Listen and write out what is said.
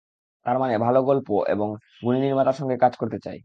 তার মানে, ভালো ভালো গল্প এবং গুণী নির্মাতার সঙ্গে কাজ করতে চাই।